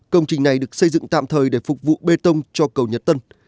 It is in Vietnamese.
công trình này được xây dựng tạm thời để phục vụ bê tông cho cầu nhật tân